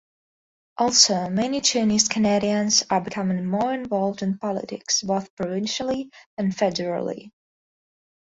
Also, many Chinese-Canadians are becoming more involved in politics, both provincially and federally.